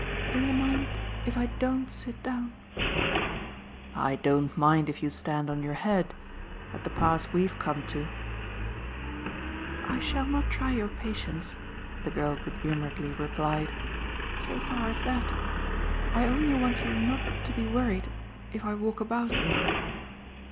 "Do you mind if I don't sit down?" "I don't mind if you stand on your head at the pass we've come to." "I shall not try your patience," the girl good humouredly replied, "so far as that. I only want you not to be worried if I walk about a little."